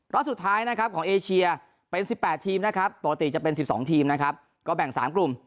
สุดท้ายนะครับของเอเชียเป็น๑๘ทีมนะครับปกติจะเป็น๑๒ทีมนะครับก็แบ่ง๓กลุ่ม